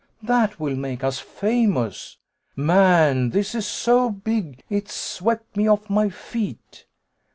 that will make us famous. Man this is so big it's swept me off my feet!